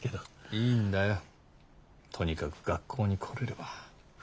いいんだよとにかく学校に来れれば。